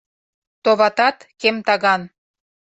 — Товатат, кем таган!